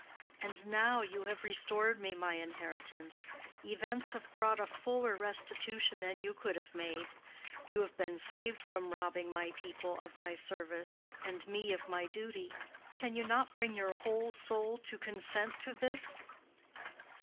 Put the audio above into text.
And now, you have restored me my inheritance—events have brought a fuller restitution than you could have made—you have been saved from robbing my people of my service and me of my duty: can you not bring your whole soul to consent to this?"